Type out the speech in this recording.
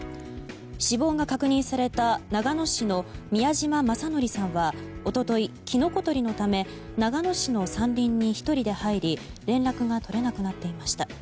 死亡が確認された長野市の宮島昌訓さんは一昨日、キノコ採りのため長野市の山林に１人で入り連絡が取れなくなっていました。